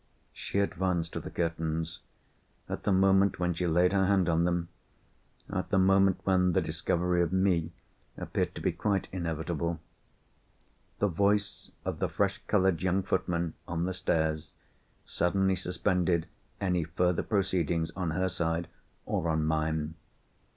She advanced to the curtains. At the moment when she laid her hand on them—at the moment when the discovery of me appeared to be quite inevitable—the voice of the fresh coloured young footman, on the stairs, suddenly suspended any further proceedings on her side or on mine.